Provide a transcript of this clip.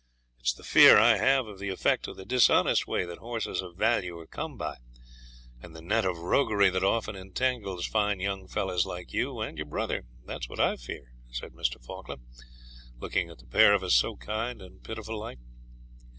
It's the fear I have of the effect of the dishonest way that horses of value are come by, and the net of roguery that often entangles fine young fellows like you and your brother; that's what I fear,' said Mr. Falkland, looking at the pair of us so kind and pitiful like.